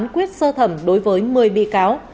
tòa án quyết sơ thẩm đối với một mươi bị cáo